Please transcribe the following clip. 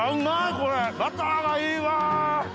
これバターがいいわ。